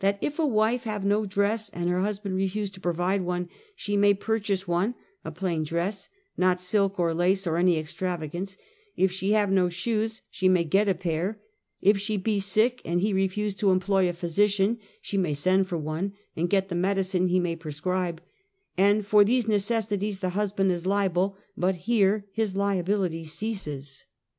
" If a wife have no dress and her husband refuse to provide one, she may purchase one — a plain dress — not silk, or lace, or any extravagance; if she have no shoes, she may get a pair; if she be sick and he re fuse to employ a physician, she may send for one, and get the medicine he may prescribe; and for these neces saries the husband is liable, but here his liability ceases."